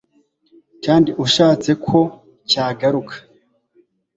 kandi ushatse ko cyagaruka